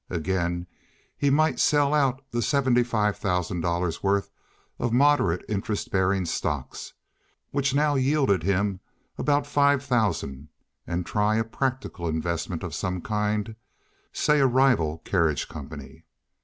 Again, he might sell out the seventy five thousand dollars' worth of moderate interest bearing stocks, which now yielded him about five thousand, and try a practical investment of some kind—say a rival carriage company.